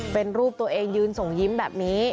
เป็นรูปตัวเองยืนส่งยิ้มแบบนี้